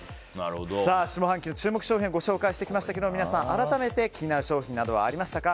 下半期の注目商品をご紹介してきましたが皆さん、改めて気になる商品などはありましたか。